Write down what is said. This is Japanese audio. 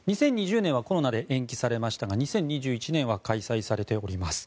２０２０年はコロナで延期されましたが２０２１年は開催されております。